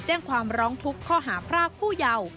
แจ้งความร้องทุกข์ข้อหาพรากผู้เยาว์